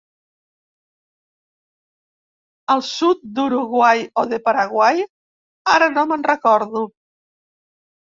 Al sud d'Uruguai, o de Paraguai, ara no me'n recordo.